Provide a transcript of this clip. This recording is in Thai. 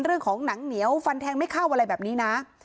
เรื่องของหนังเหนียวฟันแทงไม่เข้าอะไรแบบนี้นะ